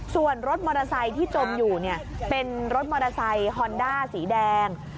ส่วนรถมอเตอร์ไซค์ที่จมอยู่เป็นรถมอเตอร์ไซค์ฮอนด้าสีแดง